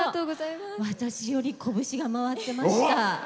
私より、こぶしが回ってました。